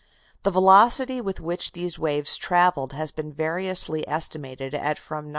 The velocity with which these waves traveled has been variously estimated at from 912.